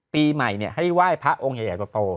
ปีใหม่เนี่ยให้ไหว้พระองค์ใหญ่กว่าโต